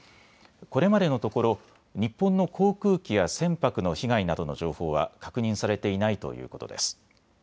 これまでのところ日本の航空機や船舶の被害などの情報は確認されていないということです。